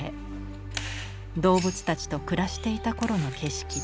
動物たちと暮らしていた頃の景色だ。